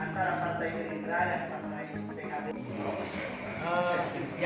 antara partai gerindra dan partai nasdem